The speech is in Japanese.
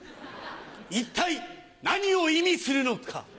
一体何を意味するのか？